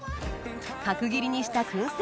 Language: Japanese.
角切りにした燻製